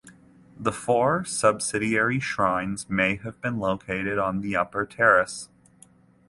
The four subsidiary shrines may have been located on the upper terrace.